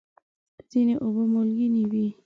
ځینې اوبه مالګینې وي.